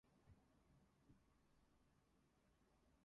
Prince was a struggling young actor whom Terriss had tried to help.